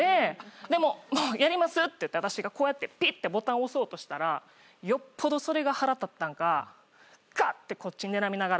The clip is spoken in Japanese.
もうもうやりますって言って私がこうやってピッ！てボタン押そうとしたらよっぽどそれが腹立ったんかガッてこっちにらみながら。